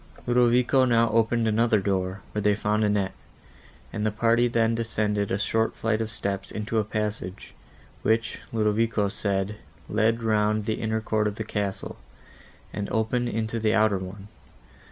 Ludovico now opened another door, where they found Annette, and the party then descended a short flight of steps into a passage, which, Ludovico said, led round the inner court of the castle, and opened into the outer one.